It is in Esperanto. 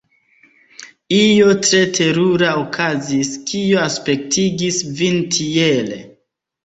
Io tre terura okazis, kio aspektigis vin tiele.